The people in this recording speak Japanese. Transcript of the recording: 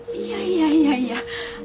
いやいやいやいや。